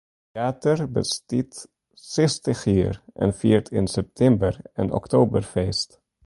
Tryater bestiet sechstich jier en fiert yn septimber en oktober feest.